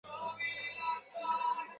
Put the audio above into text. মরার জন্য তো আমিও প্রস্তত, বাবু।